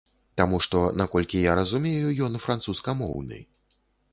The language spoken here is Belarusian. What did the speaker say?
Таму што, наколькі я разумею, ён французскамоўны.